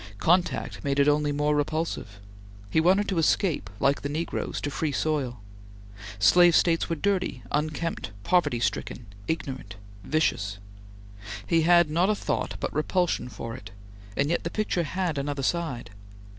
Contact made it only more repulsive. He wanted to escape, like the negroes, to free soil. Slave States were dirty, unkempt, poverty stricken, ignorant, vicious! He had not a thought but repulsion for it; and yet the picture had another side.